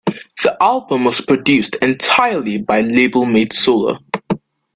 The album was produced entirely by labelmate Solar.